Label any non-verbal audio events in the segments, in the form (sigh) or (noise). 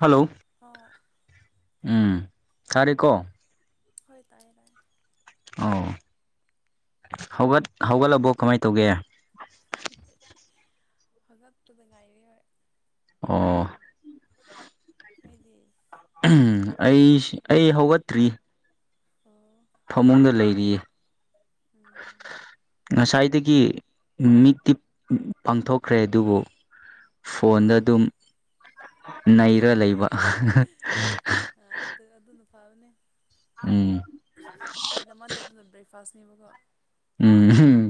hello ꯑꯣ ꯎꯝ ꯁꯔꯦ ꯀꯣ ꯍꯣꯏ ꯇꯅ ꯑꯣ ꯍꯧꯒꯠ ꯀꯩ ꯍꯧꯒꯠꯂꯕꯣ ꯀꯃꯥꯏꯅ ꯇꯧꯒꯦ ꯍꯉ ꯄꯨꯗ ꯉꯥꯏꯔꯤ ꯑꯣꯏꯔ ꯑꯣ ꯅꯣꯏꯗꯤ ꯑꯩ ꯑꯩ ꯍꯧꯒꯠꯇ꯭ꯔꯤ ꯑꯣ ꯐꯃꯨꯡꯗ ꯂꯩꯔꯤꯌꯦ ꯎꯝ ꯉꯁꯥꯏꯗꯒꯤ ꯃꯤꯠꯇꯤ ꯄꯥꯡꯊꯣꯛꯈ꯭ꯔꯦ ꯑꯗꯨꯕꯨ ꯐꯣꯟꯗ ꯑꯗꯨꯝ ꯅꯩꯔ ꯂꯩꯕ ꯑꯗꯨ ꯑꯗꯨꯅ ꯐꯕꯅꯦ ꯎꯝ ꯑꯩꯈꯣꯏꯗꯃꯥꯟꯗꯦ ꯑꯗꯨꯅ ꯕ꯭ꯔꯦꯛꯐꯥꯁꯅꯦꯕꯀꯣ ꯎꯝ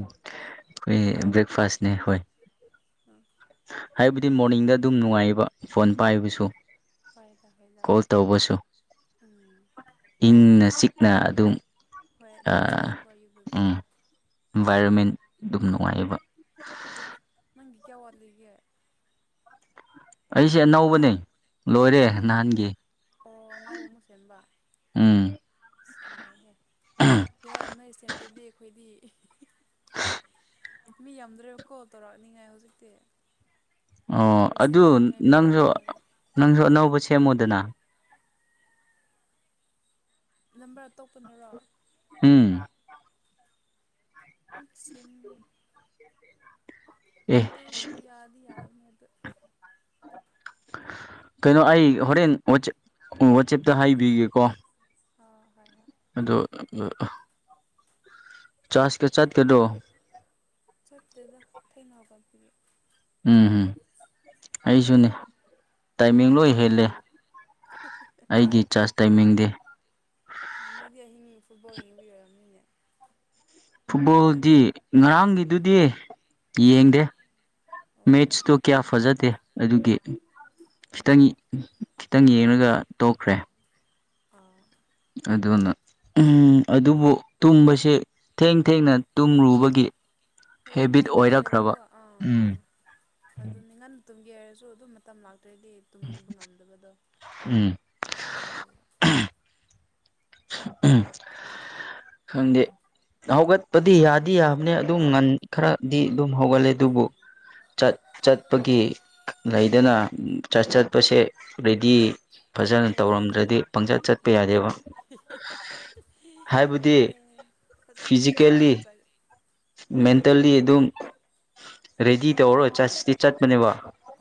ꯀ ꯭ꯔꯦꯛꯐꯥꯁꯅꯦ ꯍꯣꯏ ꯎꯝ ꯍꯥꯏꯕꯗꯤ ꯃꯣꯔꯅꯤꯡꯗ ꯑꯗꯨꯝ ꯅꯨꯡꯉꯥꯏꯌꯦꯕ ꯐꯣꯟ ꯄꯥꯏꯕꯁꯨ ꯍꯣꯏꯗ ꯍꯣꯏꯗ ꯀꯣꯜ ꯇꯧꯕꯁꯨ ꯎꯝ ꯏꯪꯅ ꯆꯛ ꯅ ꯑꯗꯨꯝ ꯍꯣꯏ ꯑꯦ ꯑꯗꯨꯝ ꯆꯦꯛꯕꯀ ꯑꯩꯨꯕꯕꯤꯦ ꯎꯝ ꯏꯟꯚꯥꯏꯔꯣꯟꯃꯦꯟ ꯑꯗꯨꯝ ꯅꯨꯡꯉꯥꯏꯌꯦꯕ ꯇꯪ ꯑꯋꯥ ꯂꯩꯦ ꯑꯩꯁꯦ ꯑꯅꯧꯕꯅꯦ ꯂꯣꯏꯔꯦ ꯑꯣ ꯅꯍꯥꯟꯒꯤ ꯑꯣ ꯑꯅꯧꯕ ꯎꯝ ꯑ ꯌꯥꯔꯦ ꯌꯥꯔꯦ ꯀꯌꯥꯏ ꯅꯣꯏ ꯁꯦꯝꯗ꯭ꯔꯗꯤ ꯑꯩꯈꯣꯏꯗꯤ (unintelligible) ꯃꯤ ꯌꯥꯝꯗ꯭ꯔꯦꯕꯀꯣ ꯇꯧꯔꯛꯑꯅꯤꯉꯥꯏ ꯍꯧꯖꯤꯛꯇꯤ ꯑꯣ ꯔꯤꯁꯤꯞ ꯑꯗꯨ ꯇꯧꯅꯤꯡꯉꯥꯏ ꯃꯤ ꯅꯪꯁꯨ ꯌꯥꯝꯃꯦꯕ ꯅꯪꯁꯨ ꯑꯅꯧꯕ ꯁꯦꯝꯃꯨꯗꯅ ꯅꯝꯕꯔ ꯑꯇꯣꯞꯄꯅꯔꯣ ꯎꯝ ꯠꯁ (unintelligible) ꯑꯦ ꯎꯗꯣꯁꯨ ꯌꯥꯗꯤ ꯌꯥꯕꯅꯤ ꯑꯗꯨ ꯀꯩꯅꯣ ꯑꯩ ꯍꯣꯔꯦꯟ ꯋꯥꯆ ꯋꯥꯆꯦꯞꯇ ꯍꯥꯏꯕꯤꯒꯦꯀꯣ ꯑꯣ ꯍꯣꯏ ꯍꯣꯏ ꯑꯗꯣ ꯆꯥꯁ ꯀ ꯆꯠ ꯀꯗꯣ ꯁꯠꯇꯦꯗ ꯊꯩꯅꯀꯥꯟ ꯐ ꯎꯝꯝ ꯑꯩꯁꯨꯅꯦ ꯇꯥꯏꯃꯤꯡ ꯑꯣ ꯂꯣꯏ ꯍꯦꯜꯂꯦ ꯑꯩꯒꯤ ꯆꯥꯔꯖ ꯇꯥꯏꯃꯤꯡꯗꯤ ꯅꯣꯏꯗꯤ ꯑꯍꯤꯡꯅꯤ ꯐꯨꯠꯕꯜ ꯌꯦꯡꯕꯤ ꯑꯣꯏꯔꯝꯃꯤꯅꯦ ꯐꯨꯠꯕꯣꯜꯗꯤ ꯉꯔꯥꯡꯒꯤꯗꯨꯗꯤ ꯌꯦꯡꯗꯦ ꯑꯣ ꯃꯦꯠꯁꯇꯣ ꯀꯌꯥ ꯐꯖꯗꯦ ꯑꯗꯨꯒꯤ ꯈꯤꯇꯪ ꯑꯣ ꯈꯤꯇꯪ ꯌꯦꯡꯉꯒ ꯇꯣꯛꯈ꯭ꯔꯦ ꯑ ꯑꯗꯨꯅ ꯑꯗꯨꯕꯨ ꯇꯨꯝꯕꯁꯦ ꯊꯦꯡ ꯊꯦꯡꯅ ꯇꯨꯝꯔꯨꯕꯒꯤ ꯍꯣꯏ ꯑꯗꯨꯝ ꯍꯦꯕꯤꯠ ꯑꯣꯏꯔꯛꯈ꯭ꯔꯕ ꯍꯅꯈ꯭ꯔꯦꯕꯀꯣ ꯑꯥ ꯑꯥ ꯎꯝ ꯑꯗꯨꯅꯤ ꯉꯟꯅ ꯒꯌꯔꯁꯨ ꯑꯗꯨꯝ ꯃꯇꯝ ꯂꯥꯛꯇ꯭ꯔꯗꯤ ꯇꯨꯝꯃꯕ ꯉꯝꯗꯕꯗꯣ ꯎꯝ ꯇꯧꯋꯗ ꯈꯪꯗꯦ ꯍꯧꯒꯠꯄꯗꯤ ꯌꯥꯗꯤ ꯌꯥꯕꯅꯦ ꯑꯗꯨꯝ ꯉꯟ ꯈꯔꯗꯤ ꯑꯗꯨꯝ ꯍꯧꯒꯠꯂꯦ ꯑꯗꯨꯕꯨ ꯆꯠ ꯆꯠꯄꯒꯤ ꯂꯩꯗꯅ ꯆꯠ ꯆꯠꯄꯁꯦ ꯔꯦꯗꯤ ꯐꯖꯅ ꯍꯣꯏꯗ ꯍꯣꯏ ꯇꯧꯔꯝꯗ꯭ꯔꯗꯤ ꯑꯪ ꯄꯪꯆꯠ ꯆꯠꯄ ꯑꯪ ꯌꯥꯗꯦꯕ ꯍꯥꯏꯕꯗꯤ ꯑꯦ ꯐꯖꯅ ꯐꯤꯖꯤꯀꯦꯜꯂꯤ ꯀꯦꯊꯥꯔꯒ ꯆꯠ ꯃꯦꯟꯇꯦꯜꯂꯤ ꯑꯗꯨꯝ ꯔꯦꯗꯤ ꯇꯧꯔꯣꯏ ꯆꯠꯁꯤ ꯆꯠꯄꯅꯦꯕ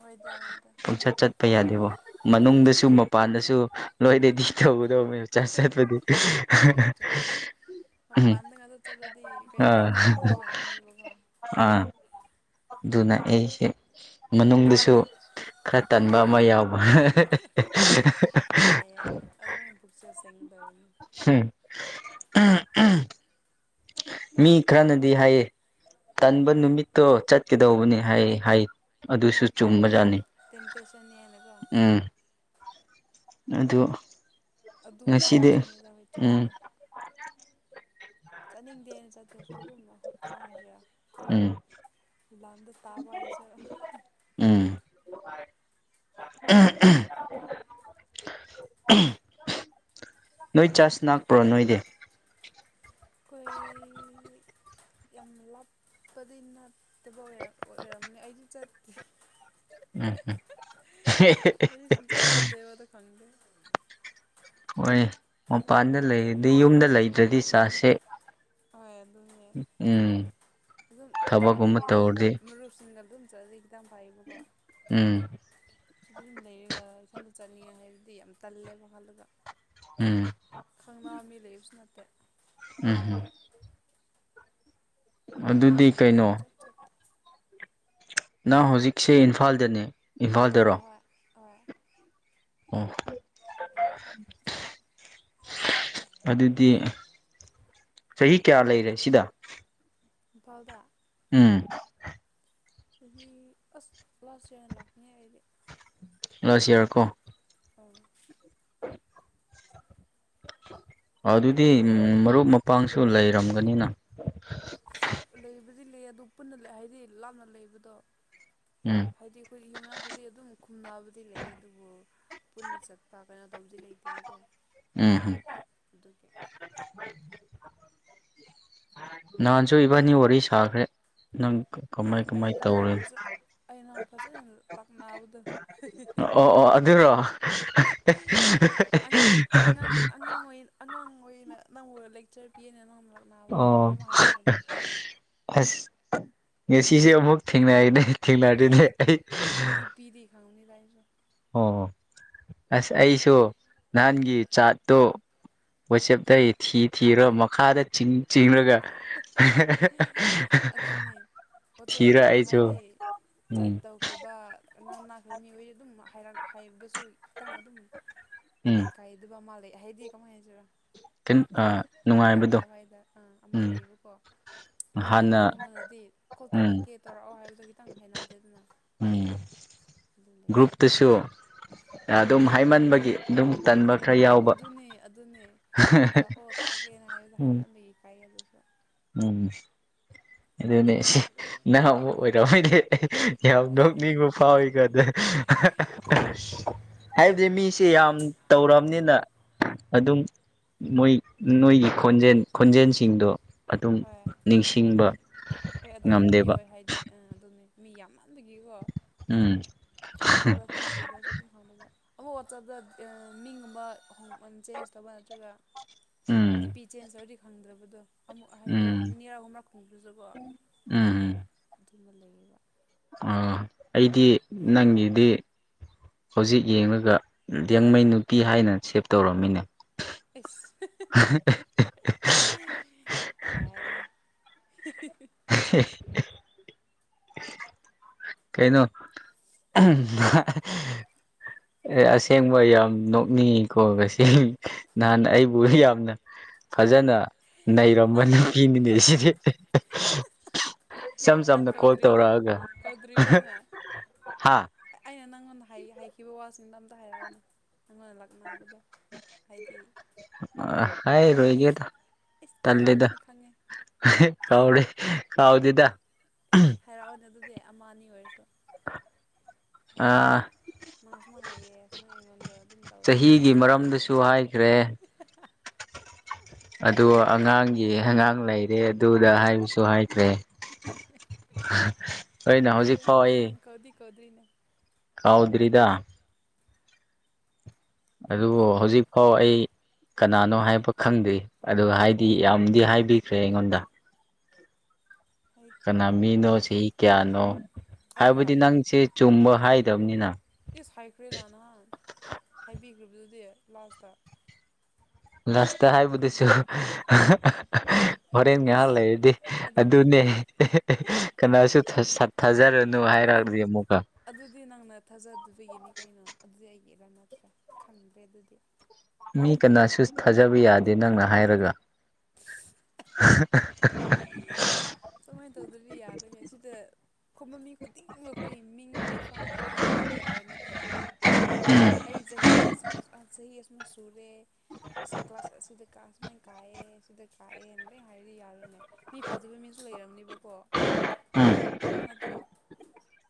ꯍꯣꯏꯗ ꯍꯣꯏꯗ ꯄꯨꯡꯆꯠ ꯆꯠꯄ ꯌꯥꯗꯦꯕꯣ ꯃꯅꯨꯡꯗꯁꯨ ꯆꯨꯝꯃꯦ ꯃꯄꯥꯟꯗꯁꯨ ꯂꯣꯏꯗꯤꯩ ꯊꯕꯨꯗꯧ ꯃ ꯆꯥ ꯆ ꯍꯞꯄꯥꯟꯗ ꯉꯗ ꯆꯂꯗꯤ ꯀꯩ ꯑꯥ ꯃꯠꯇ ꯃꯃꯔꯅꯤ ꯕꯥ ꯑꯥ ꯑꯗꯨꯅ ꯑꯩꯁꯦ ꯃꯅꯨꯡꯗꯁꯨ ꯈꯔ ꯇꯟꯕ ꯑꯃ ꯌꯥꯎꯕ (inaudible) ꯌꯥꯏ ꯌꯥꯏ ꯑꯗꯨꯃꯥꯏꯅ ꯄꯨꯛꯆꯦꯜ ꯁꯦꯡꯒꯗꯕꯅꯤ ꯍꯝ ꯃꯤ ꯈꯔꯅꯗꯤ ꯍꯥꯏꯌꯦ ꯇꯟꯕ ꯅꯨꯃꯤꯠꯇꯣ ꯆꯠꯀꯗꯧꯕꯅꯦ ꯍꯥꯏ ꯍꯥꯏ ꯍꯣꯏ ꯑꯗꯨꯁꯨ ꯆꯨꯝꯕꯖꯥꯠꯅꯤ ꯇꯦꯝꯇꯦꯁꯟ ꯌꯥꯅꯀꯣ ꯎꯝ ꯑꯗꯨ ꯑꯗꯨ ꯆꯨꯝ ꯉꯁꯤꯗꯤ ꯆꯨꯝꯃꯦꯗ ꯍꯣꯏ ꯎꯝ ꯆꯨꯝꯃꯦꯗ ꯆꯠꯅꯤꯡꯗꯦꯅ ꯆꯠꯇ꯭ꯔꯁꯨ ꯑꯗꯨꯝ ꯑꯩꯈꯣꯏ ꯀꯃꯥꯏꯅ ꯍꯥꯏꯁꯤꯔꯥ ꯎꯝ ꯂꯥꯟꯗ ꯇꯥꯕ ꯎꯝ ꯅꯣꯏ ꯆꯥꯖ ꯂꯥꯛꯄ꯭ꯔꯣ ꯅꯣꯏꯗꯤ ꯑꯩꯈꯣꯏ (inaudible) ꯌꯥꯝ ꯂꯥꯞꯄꯗꯤ ꯅꯠꯇꯕ ꯑꯣꯏꯔꯝꯅꯤ ꯑꯩꯗꯤ ꯆꯠꯇꯦ ꯎꯝ ꯐꯗꯤ ꯁ ꯆꯠ ꯆ ꯇꯦ ꯋꯥ ꯇ ꯈꯟꯗꯦ ꯍꯣꯏ ꯃꯄꯥꯟꯗ ꯂꯩꯗꯤꯩ ꯌꯨꯝꯗ ꯂꯩꯗ꯭ꯔꯗꯤ ꯆꯁꯦ ꯍꯣꯏ ꯑꯗꯨꯅꯦ ꯑꯗꯨꯝ ꯍꯥꯏꯗꯤ ꯊꯕꯛꯀꯨꯝꯕ ꯑꯗꯨꯝ ꯇꯧꯔꯗꯤ ꯃꯔꯨꯞꯁꯤꯡꯅ ꯑꯗꯨꯝ ꯆꯠꯗꯤ ꯈꯤꯇꯪ ꯐꯥꯏꯌꯦꯕꯀꯣ ꯎꯝ ꯁꯤꯗ ꯑꯗꯨꯝ ꯂꯩꯌꯦꯒ ꯏꯊꯟꯗ ꯆꯠꯅꯤꯡꯉꯦ ꯍꯥꯏꯗꯨꯗꯤ ꯌꯥꯝ ꯇꯜꯂꯦꯕ ꯈꯜꯂꯒ ꯎꯝ ꯈꯪꯅꯥ ꯃꯤ ꯂꯩꯕꯁꯨ ꯅꯠꯇ ꯇ ꯎꯝꯍꯝ ꯑꯗꯨꯗꯤ ꯑꯗꯨꯒꯤ ꯀꯩꯅꯣ ꯁꯨꯡꯆꯠ ꯆꯠꯇꯦ ꯅꯪ ꯍꯧꯖꯤꯛꯁꯦ ꯏꯝꯐꯥꯜꯗꯅꯦ ꯏꯝꯐꯥꯜꯗꯔꯣ ꯑꯣ ꯑꯣ ꯑꯗꯨꯗꯤ ꯆꯍꯤ ꯀꯌꯥ ꯂꯩꯔꯦ ꯁꯤꯗ ꯐꯥꯎꯗ ꯎꯝ ꯆꯍꯤ ꯑꯁ ꯂꯥꯁꯅ ꯂꯥꯛꯅꯤ ꯑꯩꯗꯤ ꯆꯁꯤ ꯌꯥꯔꯀꯣ ꯎꯝ (inaudible) ꯑꯗꯨꯗꯤ ꯃꯔꯨꯞ ꯃꯄꯥꯡꯁꯨ ꯂꯩꯔꯝꯒꯅꯤꯅ ꯂꯩꯕꯨꯗꯤ ꯂꯩ ꯑꯗꯨ ꯄꯨꯟꯅ ꯍꯥꯏꯗꯤ ꯂꯥꯞꯅ ꯂꯩꯕꯗꯣ ꯎꯝ ꯍꯥꯏꯗꯤ ꯑꯩꯈꯣꯏ ꯌꯨꯝꯅꯥꯛꯇꯗꯤ ꯑꯗꯨꯝ ꯈꯨꯝꯕꯗꯤ ꯂꯩ ꯑꯗꯨꯕꯨ ꯄꯨꯟꯅ ꯆꯠꯄ ꯀꯩꯅꯣ ꯇꯧꯕꯗꯤ ꯂꯩꯇꯦꯕꯀꯣ ꯎꯝ ꯎꯝ ꯑꯗꯨꯒꯤ ꯅꯍꯥꯟꯁꯨ ꯏꯕꯥꯅꯤ ꯋꯥꯔꯤ ꯁꯥꯈ꯭ꯔꯦ ꯅꯪ ꯀꯃꯥꯏ ꯍꯣꯏ ꯀꯃꯥꯏ ꯑꯩꯅ ꯅꯪ ꯇꯧꯔꯦ ꯐꯖ ꯑ ꯅꯪ ꯐꯖꯅ ꯂꯥꯛꯅꯕꯗ ꯑꯣ ꯑꯣ ꯑꯗꯨꯔꯣ ꯅ ꯂꯦꯛꯆꯔ ꯄꯤꯅ ꯑꯣ ꯉꯁꯤꯁꯦ ꯑꯃꯨꯛ ꯊꯦꯡꯅꯅꯦ ꯅ ꯗꯤ ꯄꯄꯤꯗꯤ ꯈꯥꯎꯅꯤ ꯇꯏꯁꯨ ꯑꯣ ꯑꯁ ꯑꯩꯁꯨ ꯅꯍꯥꯟꯒꯤ ꯆꯥꯠꯇꯨ ꯋꯥꯆꯦꯞꯇ ꯊꯤ ꯊꯤꯔꯣ ꯃꯈꯥꯗ ꯆꯤꯡ ꯆꯤꯡꯔꯒ (inaudible) ꯄꯣꯠꯆꯔ ꯑꯗꯨꯝ ꯑꯩꯁꯨ ꯍꯥꯏꯗꯤ ꯎꯝ ꯆꯠꯇꯧꯈ꯭ꯔꯕ ꯉꯝ ꯅꯥꯈ꯭ꯔꯕ ꯃꯤꯑꯣꯏ ꯑꯗꯨꯝ ꯍꯥꯏꯔ ꯍꯥꯏꯒꯁꯨ ꯈꯤꯇꯪ ꯑꯗꯨꯝ ꯎꯝ ꯏꯀꯥꯏꯗꯕ ꯃꯥ ꯂꯩ ꯑꯦꯍꯦꯗꯤ ꯀꯃꯣꯏ ꯍꯥꯏꯖꯔꯣ ꯈꯤ ꯅꯨꯡꯉꯥꯏꯕꯗꯣ ꯑꯃ ꯎꯝ ꯂꯩꯌꯦꯕꯀꯣ ꯃꯤ ꯍꯥꯟꯅ ꯑꯅꯧꯕꯉꯗꯗꯤ ꯀꯣꯜ ꯎꯝ ꯇꯧꯔꯛꯀꯦ ꯇꯧꯔꯛꯑꯣ ꯍꯥꯏꯕꯗꯣ ꯈꯤꯇꯪ ꯍꯅꯗꯦ ꯑꯗꯨꯅ ꯎꯝ ꯒ꯭ꯔꯨꯞꯇꯁꯨ ꯑꯗꯨꯝ ꯍꯥꯏꯃꯟꯕꯒꯤ ꯑꯗꯨꯝ ꯇꯟꯕ ꯈꯔ ꯌꯥꯎꯕ ꯑꯗꯨꯅꯤ ꯑꯗꯨꯅꯤ ꯀꯣꯠꯇꯔꯥꯛꯑꯣ ꯇꯧꯔꯛꯒꯦꯅ ꯍꯥꯏꯕꯗ ꯎꯝ ꯍꯥꯏꯅ ꯃꯤ ꯄꯥꯏꯌꯦ ꯑꯗꯨꯁꯨ ꯎꯝ ꯑꯗꯨꯅꯦ ꯁꯤ ꯅꯍꯕ ꯑꯣꯏꯔꯝꯃꯗꯤ ꯑꯩ ꯌꯥꯝ ꯅꯣꯛꯅꯤꯡꯕ ꯐꯥꯎꯋꯤꯀꯣ ꯑꯗ ꯑꯦ ꯍꯥꯏꯕꯗꯤ ꯃꯤꯁꯦ ꯌꯥꯝ ꯇꯧꯔꯕꯝꯅꯤꯅ ꯑꯗꯨꯝ ꯃꯣꯏ ꯅꯣꯏꯒꯤ ꯈꯣꯟꯖꯦꯜ ꯈꯣꯟꯖꯦꯜꯁꯤꯡꯗꯣ ꯑꯗꯨꯝ ꯍꯣꯏ ꯅꯤꯡꯁꯤꯡꯕ ꯍꯣꯏ ꯑꯗꯨ ꯑꯗꯨꯝ ꯉꯝꯗꯦꯕ ꯌꯧꯋꯦ ꯍꯥꯏꯗꯤ ꯑꯥ ꯑꯗꯨꯅꯦ ꯃꯤ ꯌꯥꯝꯃꯟꯕꯒꯤꯀꯣ ꯎꯝ ꯈꯨꯝꯕ꯭ꯔꯥ ꯈꯨꯝꯗ꯭ꯔꯤꯕ꯭ꯔꯥꯁꯨ ꯑꯗꯨꯝ ꯈꯪꯗꯕ ꯑꯃꯨꯛ ꯋꯥꯆꯞꯇ ꯃꯤꯒꯨꯝꯕ ꯆꯦꯟꯖ ꯇꯧꯕ ꯅꯠꯇ꯭ꯔꯒ ꯎꯝ ꯗꯤꯄꯤꯤ ꯆꯦꯟꯁ ꯑꯣꯏꯗꯤ ꯈꯪꯗ꯭ꯔꯕꯗꯣ ꯑꯃꯨꯛ ꯍꯥꯏꯗꯤ ꯎꯝ ꯅꯤꯔꯛ ꯍꯨꯝꯔꯛ ꯈꯨꯝꯕꯤꯖꯕ ꯑꯗꯨꯝꯕ ꯂꯩꯌꯦꯕ ꯑ ꯑꯩꯗꯤ ꯅꯪꯒꯤꯗꯤ ꯍꯧꯖꯤꯛ ꯌꯦꯡꯉꯒ ꯌꯦꯡꯃꯩ ꯅꯨꯄꯤ ꯍꯥꯏꯅ ꯁꯦꯞ ꯇꯧꯔꯝꯃꯤꯅꯦ ꯏꯁꯁ ꯌꯥꯏꯍꯦ (inaudible) (inaudible) (inaudible) ꯀꯩꯅꯣ ꯑꯦ ꯑꯁꯦꯡꯕ ꯌꯥꯝ ꯅꯣꯛꯅꯤꯡꯉꯤꯀꯣ ꯉꯁꯦꯡ ꯅꯍꯥꯟ ꯑꯩꯕꯨ ꯌꯥꯝꯅ ꯐꯖꯅ ꯅꯩꯔꯝꯕ ꯅꯪ ꯅꯨꯄꯤꯅꯤꯅꯦ ꯁꯤꯗꯤ ꯁ ꯅꯪ ꯁꯅ ꯀꯣꯜ ꯀꯧꯗ꯭ꯔꯤ ꯇꯧꯔꯒ ꯀꯧꯗ꯭ꯔꯤꯕ꯭ꯔꯥꯅꯦ ꯍꯥ ꯍꯥꯏ ꯍꯥꯏꯈꯤꯕ ꯋꯥ ꯁꯤꯟꯗ ꯑꯝꯇ ꯍꯥꯏꯔꯅꯦ ꯅꯪꯅ ꯂꯥꯛꯅꯅꯥꯕꯗꯣ ꯑ ꯍꯥꯏ ꯔꯣꯍꯤꯒ ꯏꯁ ꯇꯗ ꯀꯧꯈ꯭ꯔꯕꯅꯤ ꯈꯪꯉꯦ ꯀꯥꯎ ꯀꯥꯎꯗꯗ ꯏꯁ ꯍꯥꯏꯔꯛꯑꯣꯅꯦ ꯑꯗꯨꯗꯤ ꯑꯃ ꯑꯅꯤ ꯑꯣꯏꯔꯁꯨ ꯑꯥ ꯃꯥꯁꯨꯃ ꯍꯥꯏꯩꯌꯦ ꯁꯃꯥꯏ ꯍꯥꯏꯉꯣꯟꯗ ꯆꯍꯤꯒꯤ ꯃꯔꯝꯗꯁꯨ ꯍꯥꯏꯈ꯭ꯔꯦ ꯑꯗꯣ ꯑꯉꯥꯡꯒꯤ ꯑꯉꯥꯡ ꯂꯩꯔꯦ ꯑꯗꯨꯗ ꯍꯥꯏꯕꯁꯨ ꯍꯥꯏꯈ꯭ꯔꯦ (inaudible) ꯑꯣꯏꯅ ꯍꯧꯖꯤꯛ ꯐꯥꯎ ꯑꯩ ꯀꯗꯔꯤꯅꯦ ꯀꯥꯎꯗ꯭ꯔꯔꯤꯗ ꯑꯗꯨꯕꯨ ꯍꯣꯏ ꯀꯧ ꯍꯧꯖꯤꯛ ꯐꯥꯎ ꯑꯩ ꯀꯅꯥꯅꯣ ꯍꯥꯏꯕ ꯈꯪꯗ꯭ꯦ ꯑꯗꯨ ꯍꯥꯏꯗꯤ ꯌꯥꯝꯗꯤ ꯍꯥꯏꯕꯤꯈ꯭ꯔꯦ ꯑꯩꯉꯣꯟꯗ ꯀꯅꯥ ꯃꯤꯅꯣ ꯍꯥꯏꯗꯤ ꯆꯍꯤ ꯀꯌꯥꯅꯣ ꯑꯩꯔꯣ ꯍꯥꯏꯕꯗꯤ ꯅꯪꯁꯦ ꯆꯨꯝꯕ ꯍꯥꯏꯗꯕꯅꯤꯅ ꯁꯥꯏꯀ꯭ꯔ ꯂꯅꯣ ꯊꯕꯤꯈ꯭ꯕꯗꯨꯗꯤ ꯂꯥꯁꯇ ꯔꯥꯁꯇ ꯍꯥꯏꯕꯨꯗꯤꯁꯨ ꯍꯣꯔꯦꯟ ꯉꯥꯏꯍꯥꯛ ꯏꯁ ꯂꯩꯔꯗꯤ ꯑꯗꯨ ꯑꯗꯨꯅꯦ ꯀꯅꯥꯁꯨ ꯊꯥꯖꯔꯨꯅꯨ ꯍꯥꯏ ꯑꯗꯨ ꯗꯤ ꯃꯨꯛꯥ ꯑꯗꯨꯗꯤ ꯅꯪꯅ ꯊꯥꯖꯗꯕꯒꯤꯅꯤ ꯀꯩꯅꯣ ꯑꯗꯨꯗꯤ ꯑꯩꯒꯤꯔ ꯅꯠꯇ꯭ꯔꯥ ꯈꯪꯗ꯭ꯔꯦ ꯑꯗꯨꯗꯤ ꯃꯤ ꯀꯅꯥꯁꯨ ꯊꯥꯖꯕ ꯌꯥꯗꯦ ꯅꯪꯅ ꯍꯥꯏꯔꯒ (inaudible) (inaudible) ꯁꯨꯃꯥꯏꯅ ꯇꯧꯗ꯭ꯔꯗꯤ ꯌꯥꯔꯣꯏꯍ ꯁꯤꯗ ꯈꯨꯝꯕ ꯃꯤ ꯑꯇꯤꯡꯕ ꯑꯩꯈꯣꯏ ꯃꯤꯡ ꯂꯩꯐꯝ ꯂꯣꯏꯅ ꯍꯥꯏꯕꯤꯔꯗꯤ ꯌꯥꯔꯣꯏ ꯅꯠꯇ꯭ꯔꯣ ꯑꯩ ꯆꯍꯤ ꯆꯍꯤ ꯁꯦ ꯀ꯭ꯂꯥꯁ ꯀ ꯀꯥꯏꯑ ꯁꯤꯗ ꯀꯥꯏꯑ ꯍꯥꯏꯦꯔꯤꯅꯦ ꯃꯤꯐꯥꯖ ꯂꯩꯔꯝꯅꯦꯕꯀꯣ ꯎꯝ ꯅꯠꯇ꯭ꯔꯣ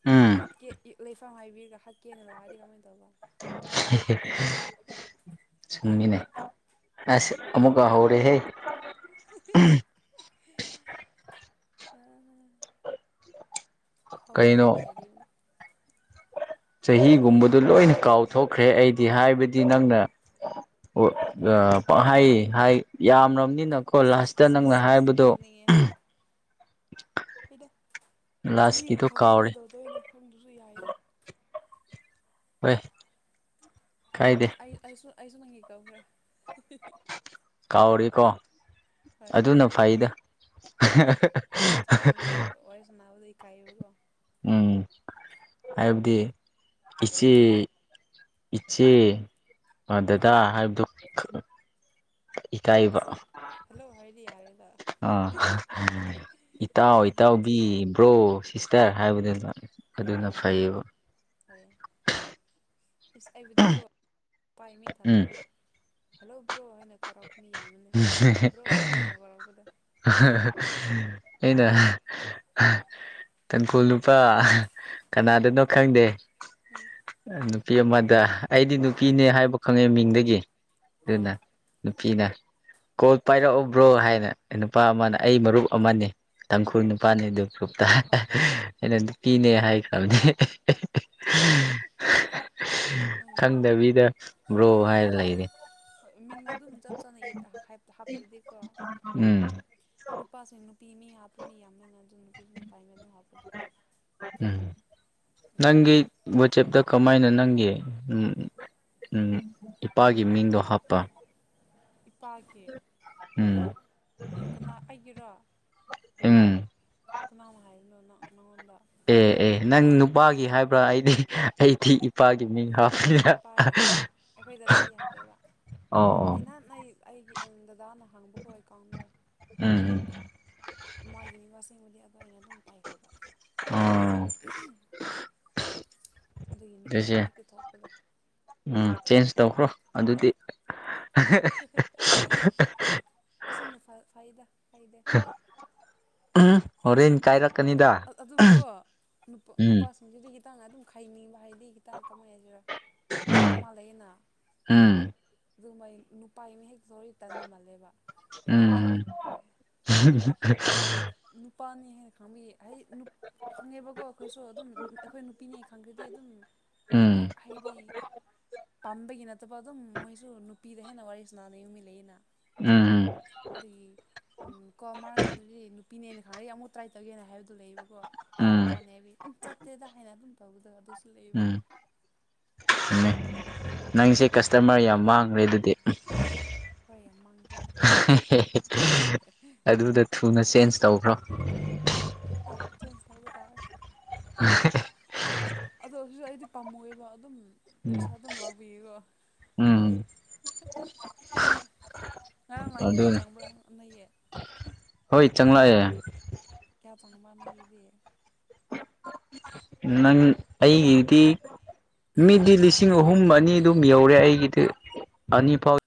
ꯎꯝ ꯍꯥꯠꯀꯦ ꯂꯩꯐꯝ ꯍꯥꯏꯕꯤꯔꯒ ꯍꯥꯏ (inaudible) ꯁꯨꯝꯃꯤꯅꯦ ꯑꯁ ꯂꯩꯕ ꯑꯃꯨꯀꯍꯧꯔꯦꯍꯦ ꯍꯥꯎꯗ ꯀꯩꯅꯣ ꯉꯥꯏꯔꯤ ꯆꯍꯤꯒꯨꯝꯕꯗ ꯂꯣꯏꯅ ꯀꯥꯎꯊꯣꯛꯈ꯭ꯔꯦ ꯑꯩꯗꯤ ꯍꯥꯏꯕꯗꯤ ꯅꯪꯅ ꯑꯣ ꯍꯥꯏ ꯍꯥꯏ ꯌꯥꯝ ꯑꯅꯀꯣ ꯏꯁ ꯏꯁ ꯂꯥꯁꯇ ꯏꯁ ꯅꯪꯅ ꯏꯁ ꯍꯥꯏꯕꯗꯣ ꯑꯩꯅ ꯆꯍꯤꯕꯨ ꯂꯥꯁꯀꯤꯗꯣ ꯈꯪꯉ ꯀꯥꯎꯔꯦ ꯀꯩꯗꯧꯗꯣꯏꯅꯣ ꯈꯪꯗꯁꯨ ꯌꯥꯏꯗ ꯍꯣꯏ ꯀꯥꯏꯗꯦ ꯁꯨꯁꯨꯅꯪꯤ ꯀꯕ꯭ꯔꯦ ꯀꯥꯎꯔꯤ ꯀꯣ ꯍꯣꯏ ꯑꯗꯨꯅ ꯐꯩꯗ ꯍꯣꯏꯗ ꯀꯩꯕꯣ ꯎꯝ ꯑꯩꯕꯗꯤ ꯀꯁꯤ ꯏꯆꯦ ꯗꯗꯥ ꯍꯥꯏꯕꯗꯨꯣ ꯍꯜꯂꯣ ꯍꯥꯏꯗꯤ ꯑ ꯏꯇꯥꯎ ꯁꯤꯗ ꯏꯆꯦ ꯏꯇꯥꯎꯕꯤꯕ꯭ꯔꯣ ꯁꯤꯁꯇꯔ ꯍꯥꯏꯕꯗꯨ ꯑꯗꯨꯅ ꯍꯣꯏ ꯐꯩꯌꯦꯕ ꯍꯣꯏ ꯏꯁ ꯑꯩꯕꯨꯗꯤꯀꯣ ꯄꯥꯏ ꯃꯤꯡ ꯎꯝ ꯊꯝꯃꯒꯤꯦ ꯍꯜꯂꯣ ꯕ꯭ꯔꯣ ꯍꯥꯏꯅ ꯀꯧꯔꯛꯄ ꯃꯤ ꯌꯥꯝꯕꯅꯦ ꯕ꯭ꯔꯣ ꯕ꯭ꯔꯣ ꯍꯥꯏꯅ ꯀꯧꯔꯛꯄꯗꯣ (inaudible) ꯑꯩꯅ ꯇꯥꯡꯈꯨꯜ ꯅꯨꯨꯄꯥ ꯀꯅꯥꯗꯅꯣ ꯈꯪꯗꯦ ꯎꯝ ꯅꯨꯄꯤ ꯑꯃꯗ ꯑꯩꯗꯤ ꯅꯨꯄꯤꯅꯦ ꯍꯥꯏꯕ ꯈꯪꯉꯦ ꯃꯤꯡꯗꯒꯤ ꯑꯥ ꯑꯗꯨꯅꯥ ꯅꯨꯄꯤꯅ ꯀꯣꯜ ꯄꯥꯏꯔꯛꯎꯕ꯭ꯔꯣ ꯍꯥꯏꯅ ꯅꯨꯄꯥ ꯑꯃꯅ ꯑꯩ ꯃꯔꯨꯞ ꯑꯃꯅꯤ ꯇꯥꯡꯈꯨꯜ ꯑꯥ ꯅꯨꯄꯥꯅꯤ ꯑꯗꯨ ꯐꯨꯞꯇ ꯑꯥ ꯑꯩꯅ ꯑꯥ ꯅꯨꯄꯤꯅꯦ ꯍꯥꯏꯈ꯭ꯔꯕꯅꯦ (inaudible) ꯈꯪꯉꯦ ꯈꯪꯗꯕꯤꯗ ꯕ꯭ꯔꯣ ꯍꯥꯏꯔ ꯂꯩꯔꯦ ꯍꯥꯞꯗꯤ ꯀ ꯎꯝ ꯅꯨꯄꯥꯁꯤꯡ ꯅꯨꯄꯤ ꯃꯤ ꯍꯥꯞꯄ ꯃꯤ ꯌꯥꯝꯃꯦꯅ ꯑꯗꯨꯝ ꯅꯨꯄꯤꯗꯨ ꯅꯨ ꯄꯥꯏꯃꯦꯗꯝ ꯎꯝ ꯑꯗꯨꯒꯤ ꯅꯪꯒꯤ ꯋꯥꯆꯦꯞꯇ ꯀꯃꯥꯏꯅ ꯅꯪꯒꯤ ꯎ ꯎꯝ ꯏꯄꯥꯒꯤ ꯃꯤꯡꯗꯣ ꯍꯥꯞꯄ ꯅꯨꯄꯥꯒꯤꯦ ꯎꯝ ꯀꯅꯥ ꯑꯩꯒꯤꯔꯣ ꯎꯝ ꯀꯅꯥꯃ ꯍꯥꯏꯅꯣꯪ ꯅꯉꯣꯟꯗ ꯑꯦ ꯑꯦ ꯅꯪ ꯅꯨꯄꯥꯒꯤ ꯍꯥꯏꯕ꯭ꯔꯥ ꯑꯩꯗꯤ ꯑꯩꯗꯤ ꯏꯄꯥꯒꯤ ꯃꯤ ꯅꯨꯄꯥꯒꯤ ꯑꯩꯈꯣꯏ ꯗꯗꯥ ꯌꯥ ꯍꯥꯄꯦꯕ ꯑꯣ ꯑꯣ ꯑꯩ ꯅꯍꯥꯟ ꯑꯩ ꯑꯩꯒꯤ ꯑꯦ ꯗꯗꯥꯅ ꯍꯥꯡꯕꯀꯣ ꯑꯦꯀꯥꯎꯟꯗꯣ ꯎꯝ ꯎꯝ ꯃꯥꯒꯤꯅꯦ ꯋꯥꯁꯤꯡꯕꯨꯗꯤ ꯑ ꯑ ꯑꯩꯅ ꯑꯗꯨꯝ ꯄꯥꯏꯈ꯭ꯔꯕ ꯑꯣ ꯑꯗꯨꯒꯤ ꯅꯨꯄꯥ ꯑꯗꯨꯁꯦ ꯃꯤ ꯍꯦꯛꯇ ꯊꯣꯛꯄꯗꯣ ꯎꯝ ꯆꯦꯟꯖ ꯇꯧꯈ꯭ꯔꯣ ꯑꯗꯨꯗꯤ ꯑꯁꯤ ꯅꯠꯇ ꯐꯗ ꯐꯥꯏꯗꯦ ꯍꯣꯔꯦꯟ ꯀꯥꯏ ꯑꯗꯨꯕꯨꯀꯣ ꯎꯝ ꯅꯨꯄꯥꯁꯤꯡꯁꯤꯗꯤ ꯈꯤꯇꯪꯅ ꯑꯗꯨꯝ ꯈꯥꯏꯅꯤꯡꯕ ꯍꯥꯏꯅꯤ ꯑꯩ ꯈꯤꯇꯪ ꯀꯃꯥꯏꯅ ꯍꯥꯏꯁꯤꯔ ꯑꯃ ꯂꯩꯌꯦꯅ ꯎꯝ ꯑꯗꯨꯒꯨꯝꯕ ꯅꯨꯄꯥ ꯑꯃ ꯍꯦꯛꯁꯨꯔꯤ ꯇꯜꯂꯃꯜꯂꯦꯕ ꯎ ꯅꯨꯄꯥꯅꯤ ꯍꯥꯏ ꯈꯃꯤ ꯍꯥꯏ ꯅꯨ ꯈꯪꯉꯦꯕꯀꯣ ꯑꯩꯈꯣꯏꯁꯨ ꯑꯗꯨꯝ ꯑꯩꯈꯣꯏ ꯅꯨꯄꯤꯅꯦ ꯈꯪꯈ꯭ꯔꯗꯤ ꯑꯗꯨꯝ ꯎꯃꯛ ꯎꯝ ꯍꯥꯏꯩꯗꯤ ꯄꯥꯝꯕꯒꯤ ꯅꯠꯇꯕ ꯑꯗꯨꯝ ꯃꯣꯏꯁꯨ ꯅꯨꯄꯤꯗ ꯍꯦꯟꯅ ꯋꯥꯔꯤꯁꯨ ꯅꯥꯅ ꯌꯨꯝ ꯃꯤ ꯂꯩꯅ ꯎꯝ ꯎꯝ (unintelligible) ꯄꯤꯅꯦꯅ ꯈꯪꯅꯦ ꯑꯃꯨꯛ ꯇ꯭ꯔꯥꯏ ꯇꯧꯒꯦꯅ ꯍꯥꯏꯕꯗꯨ ꯂꯩꯌꯦꯕꯀꯣ ꯎꯝ ꯅꯨꯄꯥꯅꯦ ꯍꯥꯏꯕꯤ ꯎꯝ ꯆꯠꯇꯦꯗ ꯍꯥꯏꯅ ꯑꯗꯨꯝ ꯇꯕꯗ ꯑꯗꯨ ꯎꯝ ꯎꯃꯦ ꯅꯪꯁꯦ ꯀꯁꯇꯃꯔ ꯌꯥꯝ ꯃꯥꯡꯈ꯭ꯔꯦ ꯑꯗꯨꯗꯤ ꯑꯩꯈꯣꯏ ꯌꯥꯝ ꯃꯥꯡꯈ꯭ꯔꯦ ꯑꯗꯨꯗ ꯊꯨꯅ ꯆꯦꯟꯖ ꯇꯧꯈ꯭ꯔꯣ ꯍꯣꯏ ꯆꯦꯟꯖ ꯇꯧꯕ ꯇꯥꯔꯦ ꯍ ꯑꯗ ꯍꯧꯁꯨ ꯑꯩꯗꯤ ꯄꯥꯝꯃꯣꯏꯕ ꯑꯗꯨꯝ ꯄꯩꯁꯥ ꯎꯝ ꯑꯗꯨꯝ ꯂꯥꯛꯄꯤꯌꯦꯀꯣ ꯎꯝ ꯉꯔꯥꯡ ꯂꯥꯛꯄ꯭ꯔꯣ ꯑꯗꯨꯅꯦ ꯆꯪꯕ꯭ꯔꯥꯅꯩꯌꯦ ꯍꯣꯏ ꯆꯪꯪꯂꯛꯑꯦ ꯇ ꯆꯪꯕ ꯅꯏꯗꯤ ꯅꯪ ꯑꯩꯒꯤꯗꯤ ꯃꯤꯗꯤ ꯂꯤꯁꯤꯡ ꯑꯍꯨꯝ ꯑꯅꯤ ꯑꯗꯨꯝ ꯌꯧꯔꯦ ꯑꯩꯒꯤꯗꯤ ꯑꯅꯤ ꯐꯥꯎ